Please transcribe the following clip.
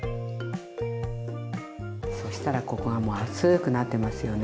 そしたらここがもう熱くなってますよね。